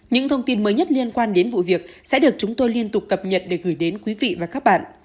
những thông tin mới nhất liên quan đến vụ việc sẽ được chúng tôi liên tục cập nhật để gửi đến quý vị và các bạn